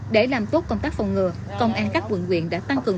để làm tốt công tác phòng ngừa công an các quận quyện đã tăng cường